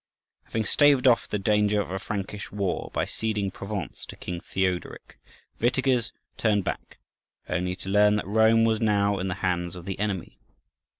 Having staved off the danger of a Frankish war by ceding Provence to King Theuderic, Witiges turned back, only to learn that Rome was now in the hands of the enemy.